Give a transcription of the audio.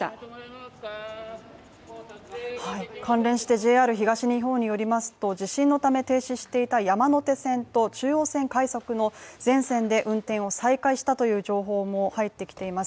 関連してＪＲ東日本によりますと地震のため停止していた山手線と中央線快速の全線で運転を再開したという情報も入ってきています。